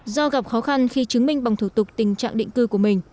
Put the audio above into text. do gặp khó khăn khi chứng minh bằng thủ tục tình trạng định cư